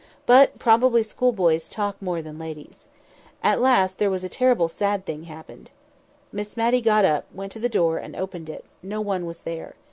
But, probably, schoolboys talk more than ladies. At last there was a terrible, sad thing happened." Miss Matty got up, went to the door, and opened it; no one was there.